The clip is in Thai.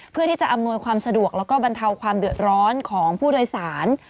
ที่จะอำนวยความสะดวกแล้วก็บรรเทาความเดือดร้อนของผู้โดยสาร